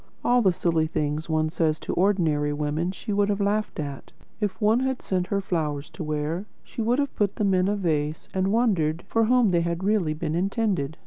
All the silly things one says to ordinary women she would have laughed at. If one had sent her flowers to wear, she would have put them in a vase and wondered for whom they had really been intended.